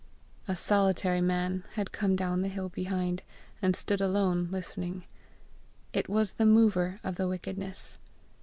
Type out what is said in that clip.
'" A solitary man had come down the hill behind, and stood alone listening. It was the mover of the wickedness.